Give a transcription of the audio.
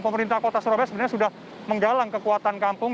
pemerintah kota surabaya sebenarnya sudah menggalang kekuatan kampung